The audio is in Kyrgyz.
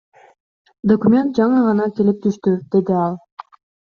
Документ жаңы гана келип түштү, — деди ал.